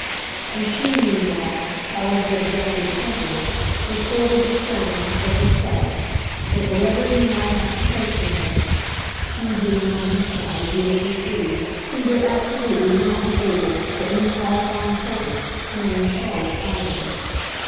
And she meanwhile, however abjectly simple, was further discerning, for herself, that, whatever he might have to take from her she being, on her side, beautifully free he would absolutely not be able, for any qualifying purpose, to name Charlotte either.